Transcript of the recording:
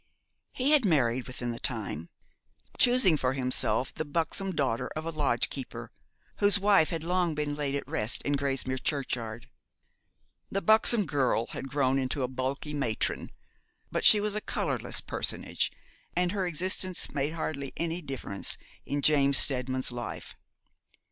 He had married within the time, choosing for himself the buxom daughter of a lodgekeeper, whose wife had long been laid at rest in Grasmere churchyard. The buxom girl had grown into a bulky matron, but she was a colourless personage, and her existence made hardly any difference in James Steadman's life.